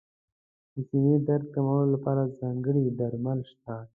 د سینې درد کمولو لپاره ځانګړي درمل شته.